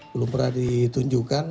belum pernah ditunjukkan